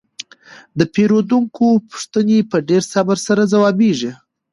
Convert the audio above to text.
د پیرودونکو پوښتنې په ډیر صبر سره ځوابیږي.